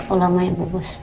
oh lama ya bu bus